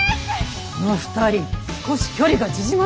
あの２人少し距離が縮まったのでは？